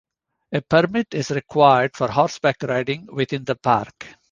A permit is required for horseback riding within the park.